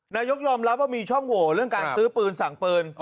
นายกยอมรับว่ามีช่องโหวเรื่องการซื้อปืนสั่งปืน